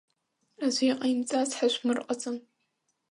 Аӡәы иҟаимҵац ҳашәмырҟаҵан.